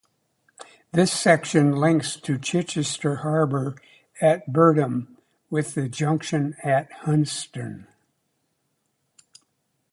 This section links to Chichester Harbour at Birdham with the junction at Hunston.